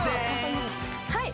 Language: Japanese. はい。